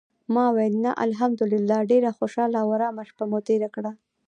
ما ویل: "نه، الحمدلله ډېره خوشاله او آرامه شپه مو تېره کړه".